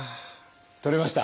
取れました？